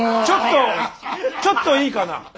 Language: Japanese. ちょっとちょっといいかな。